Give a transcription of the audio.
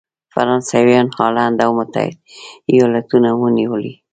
فرانسویانو هالنډ او متحد ایالتونه ونیولې.